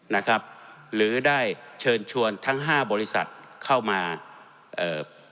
นะครับหรือได้เชิญชวนทั้งห้าบริษัทเข้ามาเอ่อ